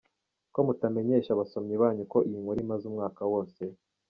Ko mutamenyesha abasomyi banyu ko iyi nkuru imaze umwaka wose?